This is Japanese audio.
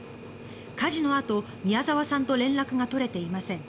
火事のあと宮沢さんと連絡が取れていません。